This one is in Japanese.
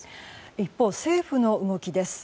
一方、政府の動きです。